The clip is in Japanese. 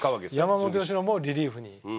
山本由伸をリリーフに。